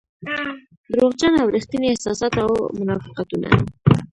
دروغجن او رښتيني احساسات او منافقتونه.